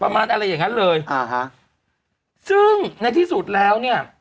อะไรอย่างงั้นเลยอ่าฮะซึ่งในที่สุดแล้วเนี่ย